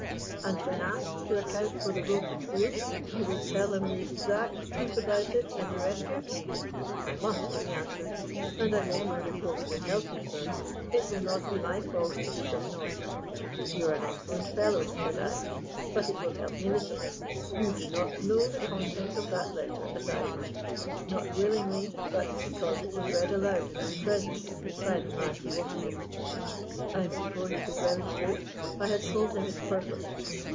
'And, when asked to account for the broken seal, you will tell him the exact truth about it and the rescue?' 'I must,' he answered; 'and I hope my report will help you, sir. It will not be my fault if it does not.' 'You are an excellent fellow,' said I; 'but it will help me little. You do not know the contents of that letter as I do not willingly, but because it was read aloud in my presence by the man who opened it.' And, before he could remonstrate, I had told him its purport.